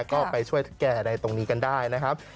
ก็ไปช่วยแก่ในตรงนี้กันได้นะครับ